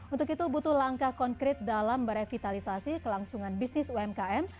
untuk itu butuh langkah konkret dalam merevitalisasi kelangsungan bisnis umkm